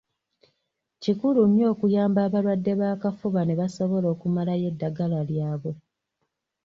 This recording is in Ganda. Kikulu nnyo okuyamba abalwadde b’akafuba ne basobola okumalayo eddagala lyabwe.